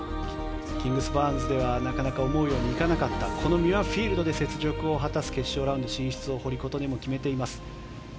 キングスバーンズではなかなか思うようにいかなかったこのミュアフィールドで雪辱を果たす決勝ラウンド進出を堀琴音も決めています。